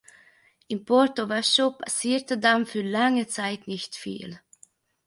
In Porto-Vecchio passierte dann für lange Zeit nicht viel.